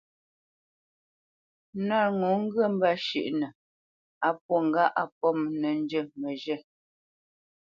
Nə̂t ŋo ŋgyə mbə́ shʉ́ʼnə á pwô ŋgâʼ á mbomə̄ nə́ njə məzhə̂.